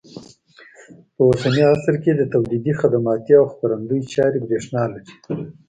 په اوسني عصر کې د تولیدي، خدماتي او خپرندوی چارې برېښنا لري.